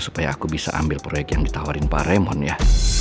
supaya aku bisa ambil proyek yang ditawarin pak remon ya